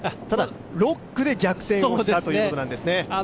ただ、６区で逆転したということなんですね。